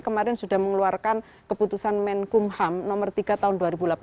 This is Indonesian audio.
kemarin sudah mengeluarkan keputusan menkumham nomor tiga tahun dua ribu delapan belas